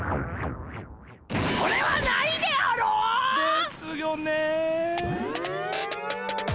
それはないであろ！ですよね。